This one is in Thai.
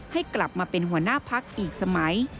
ให้กลับมาเป็นหัวหน้าพักอีกสมัย